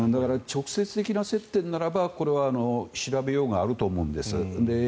直接的な接点ならばこれは調べようがあると思うんです。